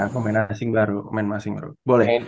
pemain asing baru pemain masing boleh